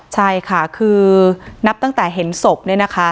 ใช่ค่ะคือนับตั้งแต่เห็นศพเนี่ยนะคะ